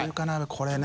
これね。